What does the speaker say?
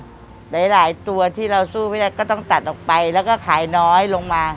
หลายตัวที่เราสู้ไม่ได้ก็ต้องตัดออกไปแล้วก็ขายน้อยลงมา